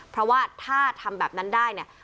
เพราะว่าถ้าทำแบบนั้นได้เนี่ย